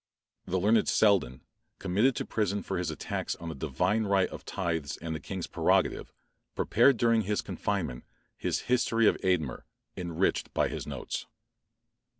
The learned Selden, committed to prison for his attacks on the divine right of tithes and the king's prerogative, prepared during his confinement his "History of Eadmer," enriched by his notes.